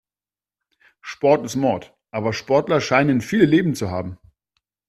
Sport ist Mord, aber Sportler scheinen viele Leben zu haben.